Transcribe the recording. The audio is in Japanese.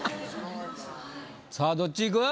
さあどっちいく？